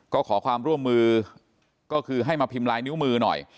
ก็ขอความร่วมมือก็คือให้มาพิมพ์ลายนิ้วมือหน่อย